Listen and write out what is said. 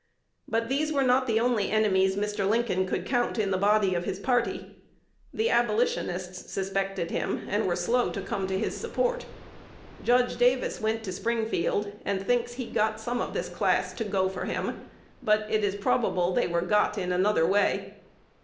But these were not the only enemies Mr. Lincoln could count in the body of his party. The Abolitionists suspected him, and were slow to come to his support. Judge Davis went to Springfield, and thinks he "got some" of this class "to go for" him; but it is probable they were "got" in another way.